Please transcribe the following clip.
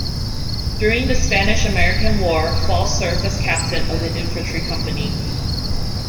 During the Spanish-American War, Fall served as captain of an infantry company.